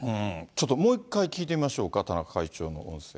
ちょっともう一回聞いてみましょうか、田中会長の音声。